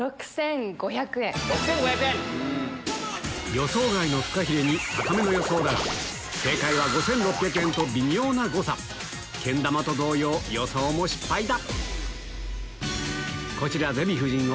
予想外のフカヒレに高めの予想だが微妙な誤差けん玉と同様予想も失敗だ